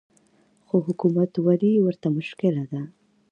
خو حکومتولي ورته مشکله ده